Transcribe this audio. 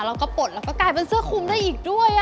เราก็ป๋นเราก็กลายเป็นเสื้อคุมได้อีกด้วยอะ